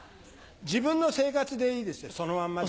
自分の生活でいいですねそのまんまで。